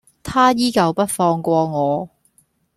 他依舊不放過我